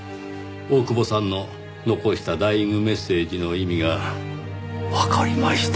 大久保さんの残したダイイングメッセージの意味がわかりました。